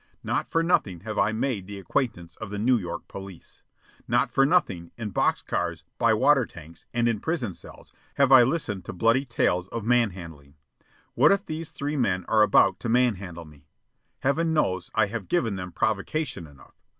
Not for nothing have I made the acquaintance of the New York police. Not for nothing, in box cars, by water tanks, and in prison cells, have I listened to bloody tales of man handling. What if these three men are about to man handle me? Heaven knows I have given them provocation enough.